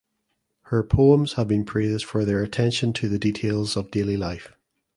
Her poems have been praised for their attention to the details of daily life.